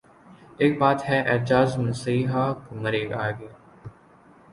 اک بات ہے اعجاز مسیحا مرے آگے